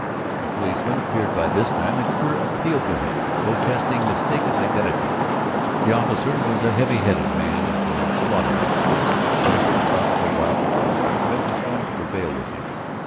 A policeman appeared by this time, and Kerr appealed to him, protesting mistaken identity. The officer was a heavy headed man of the slaughter house school, and Lambert thought for a while that Kerr's argument was going to prevail with him.